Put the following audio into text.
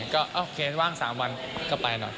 ก็โอเคว่าง๓วันก็ไปหน่อย